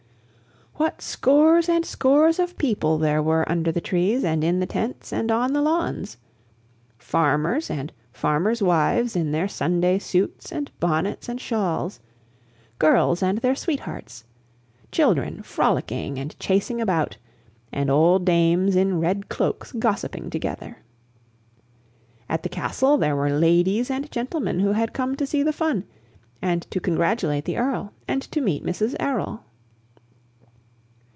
What scores and scores of people there were under the trees, and in the tents, and on the lawns! Farmers and farmers' wives in their Sunday suits and bonnets and shawls; girls and their sweethearts; children frolicking and chasing about; and old dames in red cloaks gossiping together. At the Castle, there were ladies and gentlemen who had come to see the fun, and to congratulate the Earl, and to meet Mrs. Errol.